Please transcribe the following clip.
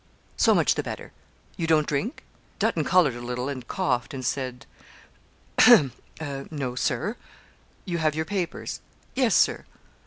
'So much the better. You don't drink?' Dutton coloured a little and coughed and said 'No, Sir.' 'You have your papers?' 'Yes, Sir.'